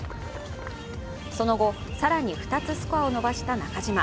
その後、更に２つスコアを伸ばした中島。